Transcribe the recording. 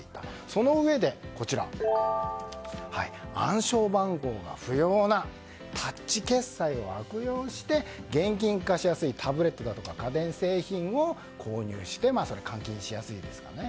そのうえで暗証番号が不要なタッチ決済を悪用して現金化しやすいタブレットだとか家電製品を購入して換金しやすいですからね。